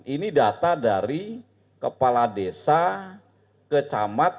ini data dari kepala desa kecamatan